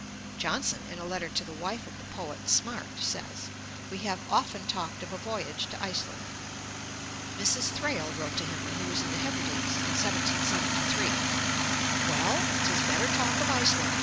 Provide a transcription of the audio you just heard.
Johnson, in a letter to the wife of the poet Smart, says, 'we have often talked of a voyage to Iceland.' Post, iv. 359 note. Mrs. Thrale wrote to him when he was in the Hebrides in 1773: 'Well! 'tis better talk of Iceland.